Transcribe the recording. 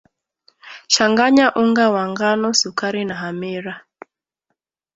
changanya unga wa ngano sukari na hamira